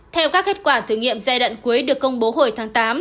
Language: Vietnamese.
theo các kết quả thử nghiệm giai đoạn cuối được công bố hồi tháng tám